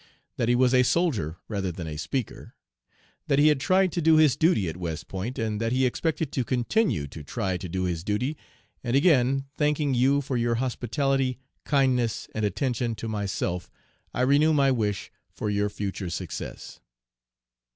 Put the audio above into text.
That he was a soldier rather than a speaker. That he had tried to do his duty at West Point, and that he expected to continue to try to do his duty, and 'again thanking you for your hospitality, kindness, and attention to myself, I renew my wish for your future success.'